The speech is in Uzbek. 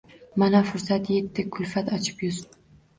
Mana, fursat yetdi, kulfat ochib yuz